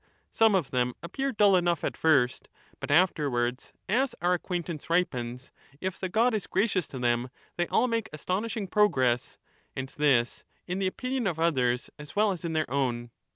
Some of them appear dull enough at first, but afterwards, as our acquaintance ripens, if the god is gracious to them, they all make astonishing progress; and this in the opinion of others as well as in their own.